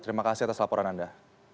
terima kasih atas laporan anda